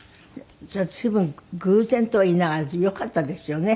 それは随分偶然とはいいながらよかったですよね。